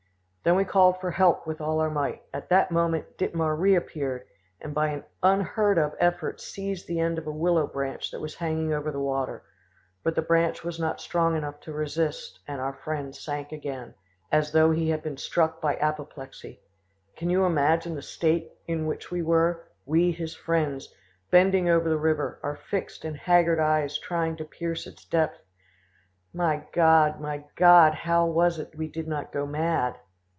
Then we called for help with all our might. At that moment Dittmar reappeared, and by an unheard of effort seized the end of a willow branch that was hanging over the water; but the branch was not strong enough to resist, and our friend sank again, as though he had been struck by apoplexy. Can you imagine the state in which we were, we his friends, bending over the river, our fixed and haggard eyes trying to pierce its depth? My God, my God! how was it we did not go mad?